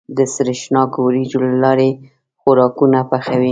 د سرېښناکو وريجو له لارې خوراکونه پخوي.